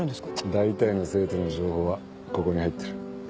大体の生徒の情報はここに入ってる。